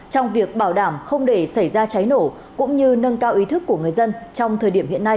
trong việc bảo đảm không để xảy ra cháy nổ cũng như nâng cao ý thức của người dân trong thời điểm hiện nay